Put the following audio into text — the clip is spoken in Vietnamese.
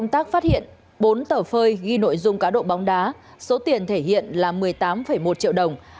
công tác phát hiện bốn tờ phơi ghi nội dung cá độ bóng đá số tiền thể hiện là một mươi tám một triệu đồng